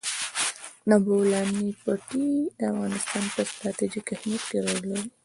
د بولان پټي د افغانستان په ستراتیژیک اهمیت کې رول لري.